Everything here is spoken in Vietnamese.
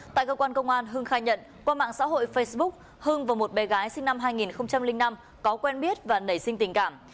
tại cơ quan công an hưng khai nhận qua mạng xã hội facebook hưng và một bé gái sinh năm hai nghìn năm có quen biết và nảy sinh tình cảm